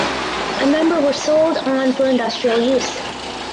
A number were sold on for industrial use.